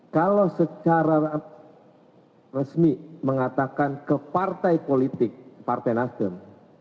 kalau secara resmi mengatakan ke partai politik partai nasdem